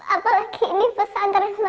apalagi ini pesantren masya allah